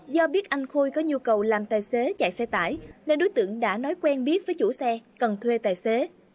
do biết anh khôi có nhu cầu làm tài xế chạy xe tải nên đối tượng đã nói quen biết với chủ xe cần thuê tài xế